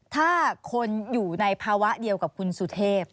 ถ้าคนอยู่ในภาวะเดียวกับคุณสุเทพ